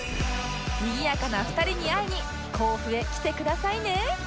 にぎやかな２人に会いに甲府へ来てくださいね！